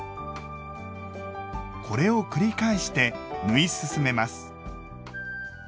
これを繰り返して縫い進めます。